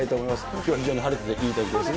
きょうは非常に晴れてていい天気ですね。